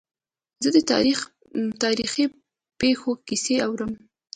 زه د تاریخي پېښو کیسې اورم.